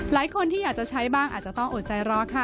หลายคนที่อยากจะใช้บ้างอาจจะต้องอดใจรอค่ะ